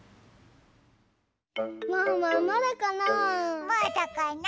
ワンワンまだかな？